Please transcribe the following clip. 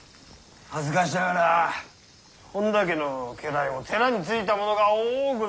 恥ずかしながら本多家の家来も寺についた者が多ございまして。